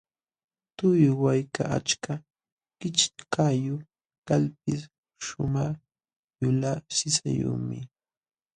Tuqulluwaykaq achka kichkayuq kalpis shumaq yulaq sisayuqmi.